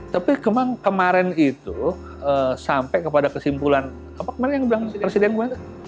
tapi kemarin itu sampai kepada kesimpulan apa kemarin yang bilang presiden kemana